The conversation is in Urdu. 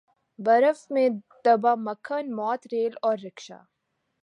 برف میں دبا مکھن موت ریل اور رکشا